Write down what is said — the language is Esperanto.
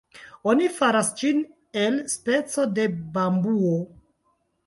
Oni faras ĝin el speco de bambuo.